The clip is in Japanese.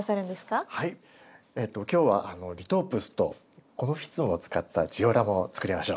今日はリトープスとコノフィツムを使ったジオラマを作りましょう。